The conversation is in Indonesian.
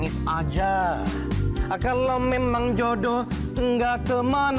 iya keras banget kok sama lo